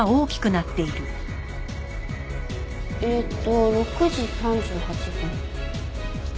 えっと６時３８分。